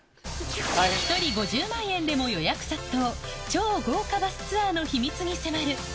１人５０万円でも予約殺到、超豪華バスツアーの秘密に迫る。